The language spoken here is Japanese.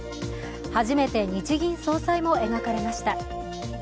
初めて、日銀総裁も描かれました。